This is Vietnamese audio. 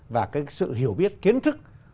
và cái sự hiểu biết kiến thức